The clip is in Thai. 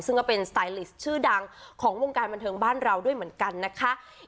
ซึ่งก็เป็นสไตลิสต์ชื่อดังของวงการบันเทิงบ้านเราด้วยเหมือนกันนะคะ